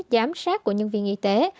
giám sát của nhân viên y tế